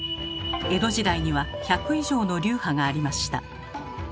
江戸時代には１００以上の流派がありました。